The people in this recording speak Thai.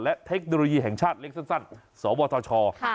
และเทคโนโลยีแห่งชาติเล็กสั้นสวทช